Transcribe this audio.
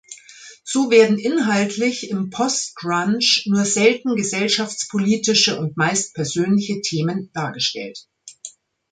So werden inhaltlich im Post-Grunge nur selten gesellschaftspolitische und meist persönliche Themen dargestellt.